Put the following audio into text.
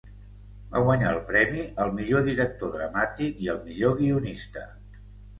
Va guanyar el Premi al millor director dramàtic, i al millor guionista.